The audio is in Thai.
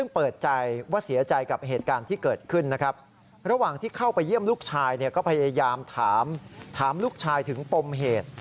ไปเยี่ยมลูกชายก็พยายามถามลูกชายถึงปมเหตุ